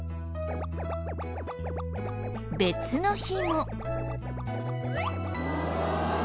別の日も。